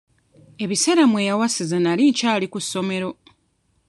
Ebiseera mmwe yawasiza nze nali nkyali ku ssomero.